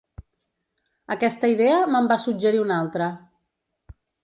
Aquesta idea me'n va suggerir una altra.